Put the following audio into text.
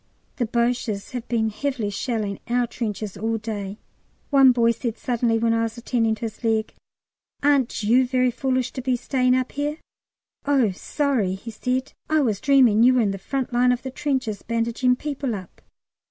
The Boches have been heavily shelling our trenches all day. One boy said suddenly, when I was attending to his leg, "Aren't you very foolish to be staying up here?" "Oh, sorry," he said; "I was dreaming you were in the front line of trenches bandaging people up!"